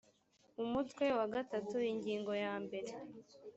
umutwe wa gatatu ingingo ya mbere